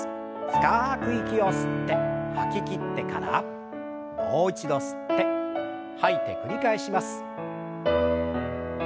深く息を吸って吐ききってからもう一度吸って吐いて繰り返します。